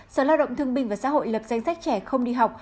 sở lao động thương binh và xã hội lập danh sách trẻ không đi học